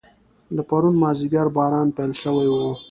له پرون مازیګر باران پیل شوی و.